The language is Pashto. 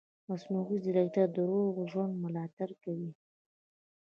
مصنوعي ځیرکتیا د روغ ژوند ملاتړ کوي.